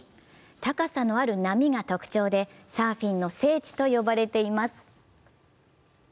高さのある波が特徴で、サーフィンの聖地と呼ばれています。